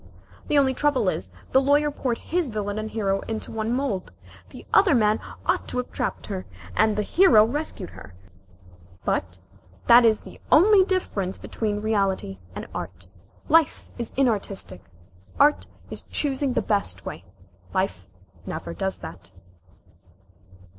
The only trouble is, the Lawyer poured his villain and hero into one mould. The other man ought to have trapped her, and the hero rescued her. But that is only the difference between reality and art. Life is inartistic. Art is only choosing the best way. Life never does that."